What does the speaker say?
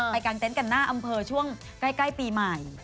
กลางเต็นต์กันหน้าอำเภอช่วงใกล้ปีใหม่